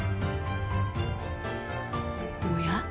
おや？